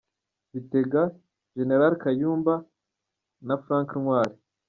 Bitega, Gen. Kayumba na Frank Ntwali